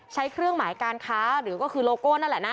เครื่องหมายการค้าหรือก็คือโลโก้นั่นแหละนะ